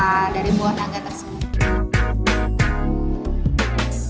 dan juga dari buah naga tersebut